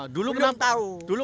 dulu kenapa nggak mendukung